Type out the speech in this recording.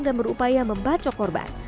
dan berupaya membacok korban